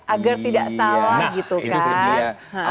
agar tidak salah gitu kan